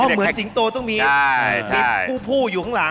เหมือนสิงโตต้องมีผู้อยู่ข้างหลัง